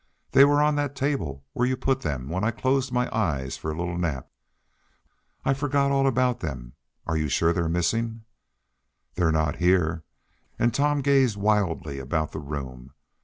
"They were on that table, where you put them, when I closed my eyes for a little nap. I forgot all about them. Are you sure they're missing?" "They're not here!" And Tom gazed wildly about the room.